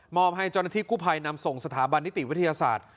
หมออภัยจนกุภัยนำส่งสถาบันนิติวิทยาศาสตร์